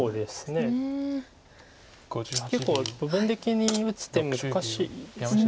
結構部分的に打つ手難しいです。